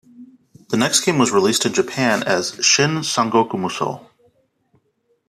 The next game was released in Japan as "Shin Sangokumusou".